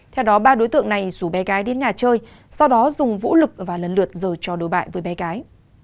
theo đó ba đối tượng này rủ bé gái đến nhà chơi sau đó dùng vũ lực và lần lượt rồi cho đối bại với bé gái